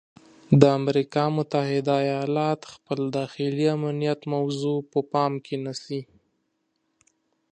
د امریکا متحده ایالات خپل داخلي امنیت موضوع په پام کې نیسي.